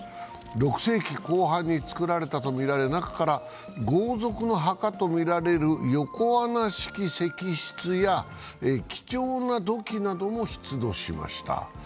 ６世紀後半に造られたとみられ中から豪族の墓とみられる横穴式石室や貴重な土器なども出土しました。